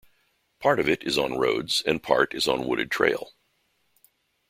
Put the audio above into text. Part of it is on roads and part is on wooded trail.